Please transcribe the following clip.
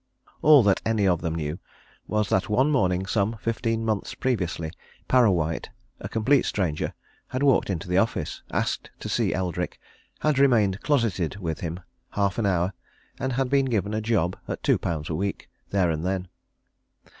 All that any of them knew was that one morning some fifteen months previously, Parrawhite, a complete stranger, had walked into the office, asked to see Eldrick, had remained closeted with him half an hour, and had been given a job at two pounds a week, there and then.